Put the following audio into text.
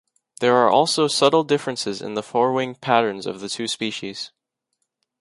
There are also subtle differences in the forewing patterns of the two species.